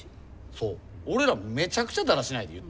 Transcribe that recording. そう俺らめちゃくちゃだらしないで言うとくけど。